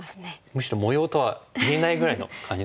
むしろ模様とは言えないぐらいの感じですよね。